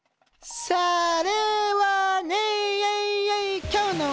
それはね。